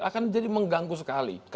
akan jadi mengganggu sekali